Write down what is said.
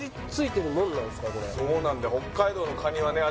そうなんだよ